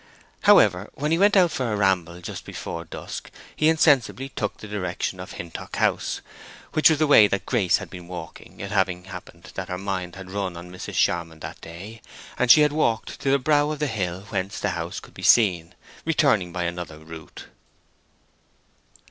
However, when he went out for a ramble just before dusk he insensibly took the direction of Hintock House, which was the way that Grace had been walking, it having happened that her mind had run on Mrs. Charmond that day, and she had walked to the brow of a hill whence the house could be seen, returning by another route.